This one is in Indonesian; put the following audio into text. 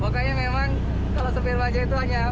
pokoknya memang kalau sopir bajai itu hanya